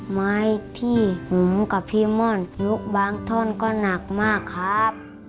ไม้ที่หูกับพรีม่อนพลุบางท่อนก็หนักมากครับ